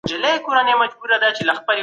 روښانه فکر مو د ژوند له هري ستونزي څخه د خلاص